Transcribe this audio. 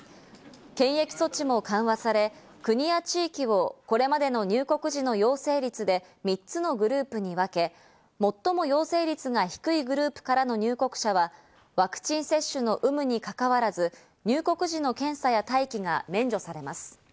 検疫措置も緩和され、国や地域を、これまでの入国時の陽性率で３つのグループに分け、最も陽性率が低いグループからの入国者はワクチン接種の有無にかかわらず入国時の検査や待機が免除されます。